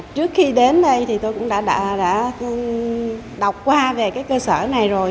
trước khi đến đây tôi cũng đã đọc qua về cơ sở này rồi